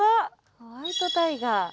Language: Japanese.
ホワイトタイガー。